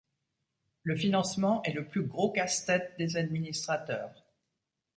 Le financement est le plus gros casse-tête des administrateurs.